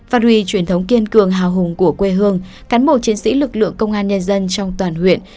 phát huy truyền thống kiên cường hào hùng của quê hương cán bộ chiến sĩ lực lượng công an nhân dân trong toàn huyện